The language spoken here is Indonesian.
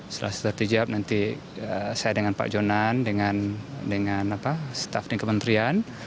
setelah setelah dijawab nanti saya dengan pak jonan dengan staff di kementerian